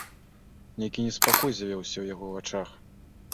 Нейкі неспакой з'явіўся ў яго вачах.